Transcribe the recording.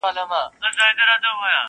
کبرجن سو ګمراهي ځني کيدله,